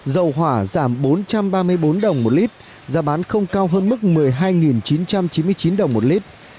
dầu hỏa giảm bốn trăm ba mươi bốn đồng một lít giá bán không cao hơn mức một mươi hai chín trăm chín mươi chín đồng một lít